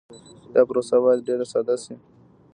دا پروسه باید ډېر ساده شي.